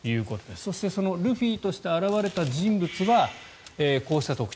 そしてルフィとして現れた人物はこうした特徴。